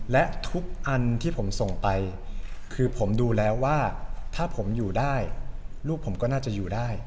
และทุกอันที่ผมส่งไปคือผมดูแล้วว่าถ้าผมอยู่ได้ลูกผมก็น่าจะอยู่ได้